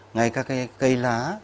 ngay các cái cây lá